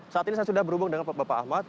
saat ini saya sudah berhubung dengan bapak ahmad